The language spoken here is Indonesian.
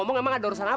kaga bener ya